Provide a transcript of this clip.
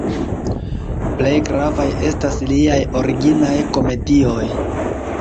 Plej gravaj estas liaj originaj komedioj.